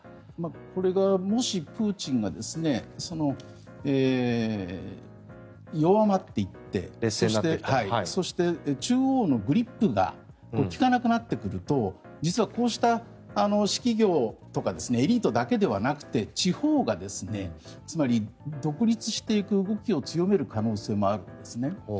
これが、もしプーチンが弱まっていってそして、中央のグリップが利かなくなってくると実はこうした私企業とかエリートだけではなくて地方が、つまり独立していく動きを強める可能性もあるんですね。